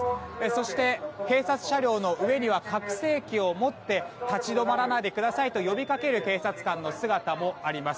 そして、警察車両の上には拡声器を持って立ち止まらないでくださいと呼びかける警察官の姿もあります。